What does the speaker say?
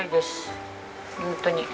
本当に。